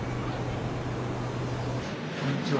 こんにちは。